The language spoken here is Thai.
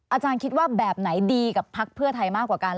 อาจารย์คิดว่าแบบไหนดีกับพักเพื่อไทยมากกว่ากัน